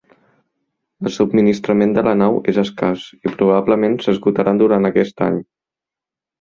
El subministrament de la nau és escàs i probablement s’esgotaran durant aquest any.